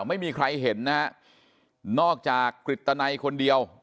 ไม่มีใครเห็นนะฮะนอกจากกริตนัยคนเดียว